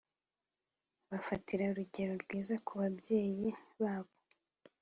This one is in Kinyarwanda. Bafatira urugero rwiza ku ababyeyi babo